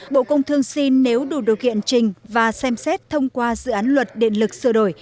bộ công thương xin nếu đủ điều kiện trình và xem xét thông qua dự án luật điện lực sửa đổi